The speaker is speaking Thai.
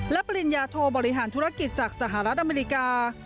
และปริญญาโทบริหารธุรกิจจากสหรัฐอเมริกา